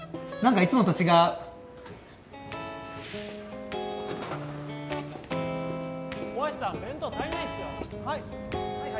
何かいつもと違う